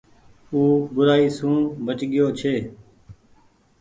او بورآئي سون بچ گيو ڇي